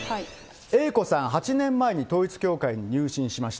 Ａ子さん、８年前に統一教会に入信しました。